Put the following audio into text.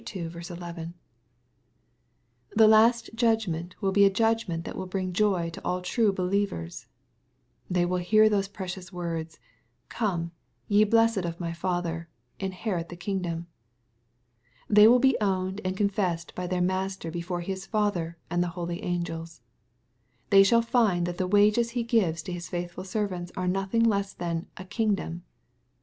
11.) The last judgment will be a judgment that will bring joy to all true believers, j They will hear those precious words, " Come, ye blessed of my Father, inherit the kingdom." They will be owned and confessed by their Master before His Father and the holy angels. They shall find that the wages He gives to His faithful servants are nothing less than " a kingdom.''